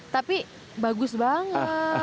tapi bagus banget